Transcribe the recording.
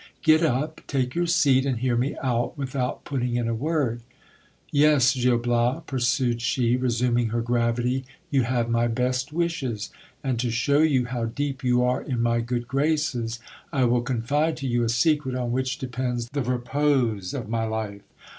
Get up, take your seat, and hear me out without putting in a word Yes, Gil Bias, pursued she, resuming her gravity, you have my best wishes ; and to shew you how deep you are in my good graces, I will confide to you a secret on which depends the repose of my life.